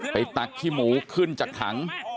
ตักขี้หมูขึ้นจากถัง